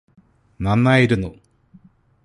നന്നായിരുന്നു